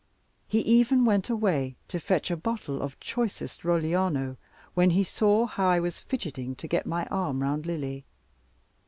He even went away to fetch a bottle of choicest Rogliano, when he saw how I was fidgetting to get my arm round Lily.